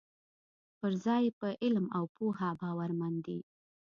پر ځای یې پر علم او پوه باورمن دي.